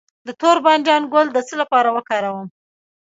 د تور بانجان ګل د څه لپاره وکاروم؟